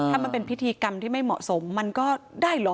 ถ้ามันเป็นพิธีกรรมที่ไม่เหมาะสมมันก็ได้เหรอ